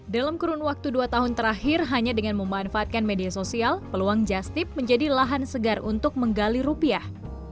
dalam kurun waktu dua tahun terakhir hanya dengan memanfaatkan media sosial peluang justip menjadi lahan segar untuk menggali rupiah